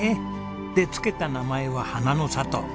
で付けた名前は「花の里」。